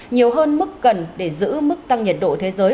nhiều hơn mức cần để giữ mức tăng nhiệt độ thế giới